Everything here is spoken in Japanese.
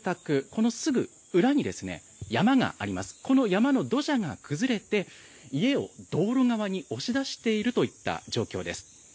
この山の土砂が崩れて家を道路側に押し出しているといった状況です。